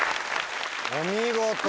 お見事。